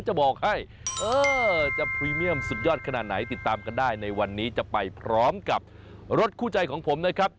จะบอกให้เออจะพรีเมียมสุดยอดขนาดไหนติดตามกันได้ในวันนี้จะไปพร้อมกับรถคู่ใจของผมนะครับ